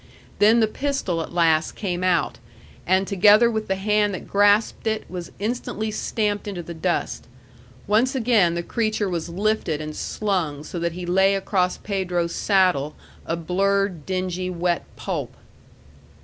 Then the pistol at last came out, and together with the hand that grasped it was instantly stamped into the dust. Once again the creature was lifted and slung so that he lay across Pedro's saddle a blurred, dingy, wet pulp.